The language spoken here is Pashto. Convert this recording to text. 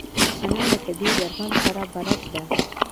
انا له طبیعي درملو سره بلد ده